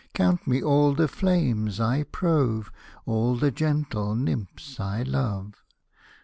Count me all the flames I prove. All the gentle nymphs I love.